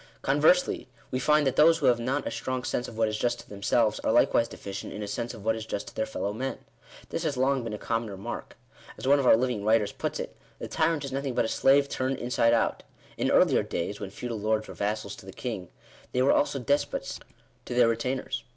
Conversely, we find that those who have not a strong sense of what is just to themselves, are likewise deficient in a sense of what is just to their fellow men. This has long been a com h2 Digitized by VjOOQIC 100 SECONDARY DERIVATION OF A FIRST PRINCIPLE. mon remark. As one of our living writers puts it — the tyrant is nothing but a slave turned inside out. In earlier days, when feudal lords were vassals to the king, they were also despots to their retainers.